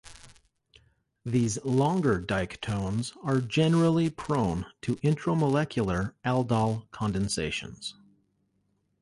These longer diketones are generally prone to intramolecular aldol condensations.